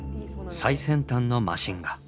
最先端のマシンが！